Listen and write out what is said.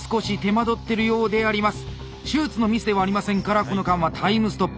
手術のミスではありませんからこの間はタイムストップ。